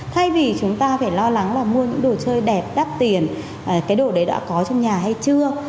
thay vì chúng ta phải lo lắng là mua những đồ chơi đẹp đắt tiền cái đồ đấy đã có trong nhà hay chưa